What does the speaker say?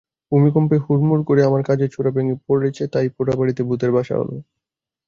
ভূমিকম্পে হুড়মুড় করে আমার কাজের চূড়া পড়েছে ভেঙে তাই তো পোড়োবাড়িতে ভূতের বাসা হল।